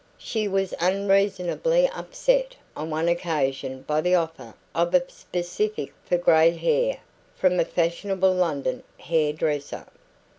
She was unreasonably upset on one occasion by the offer of a specific for grey hair from a fashionable London hair dresser.